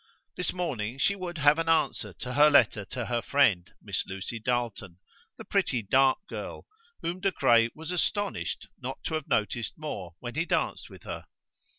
This morning she would have an answer to her letter to her friend, Miss Lucy Darleton, the pretty dark girl, whom De Craye was astonished not to have noticed more when he danced with her.